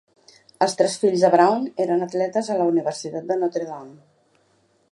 Els tres fills de Brown eren atletes a la Universitat de Notre Dame.